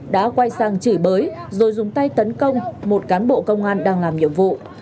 đã quay sang chửi bới rồi dùng tay tấn công một cán bộ công an đang làm nhiệm vụ